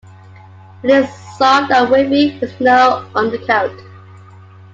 It is soft and wavy with no undercoat.